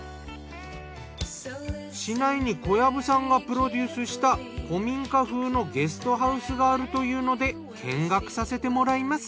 市内に小藪さんがプロデュースした古民家風のゲストハウスがあるというので見学させてもらいます。